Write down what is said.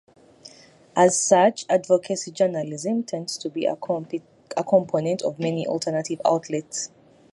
As such, advocacy journalism tends to be a component of many alternative outlets.